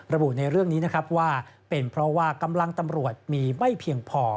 ระบุในเรื่องนี้นะครับว่าเป็นเพราะว่ากำลังตำรวจมีไม่เพียงพอ